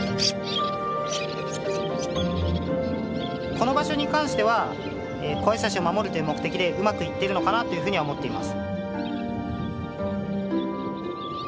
この場所に関してはコアジサシを守るという目的でうまくいってるのかなというふうには思っています。